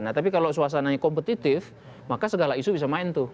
nah tapi kalau suasananya kompetitif maka segala isu bisa main tuh